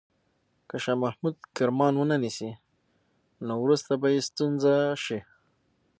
که شاه محمود کرمان ونه نیسي، نو وروسته به یې ستونزه شي.